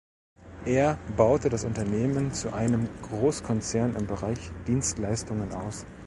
Er baute das Unternehmen zu einem Groß-Konzern im Bereich Dienstleistungen aus.